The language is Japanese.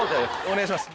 お願いします。